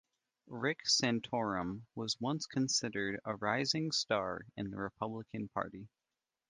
Rick Santorum was once considered a rising star in the Republican Party.